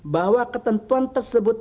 bahwa ketentuan tersebut